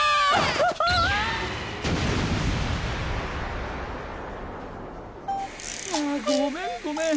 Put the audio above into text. ハハッ！あごめんごめん。